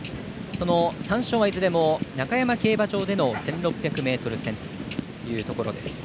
３勝はいずれも中山競馬場での１６００ｍ戦というところです。